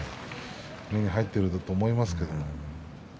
目に入っていると思いますけど。